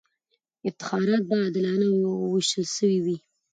افتخارات به عادلانه وېشل سوي وي.